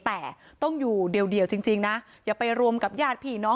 แต่ต้องอยู่เดียวจริงนะอย่าไปรวมกับญาติพี่น้อง